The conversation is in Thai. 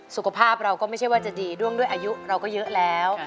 สุขภาพเราก็ไม่ใช่ว่าจะดีด้วงด้วยอายุเราก็เยอะแล้ว